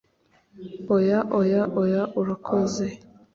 Oya oya oya urakoze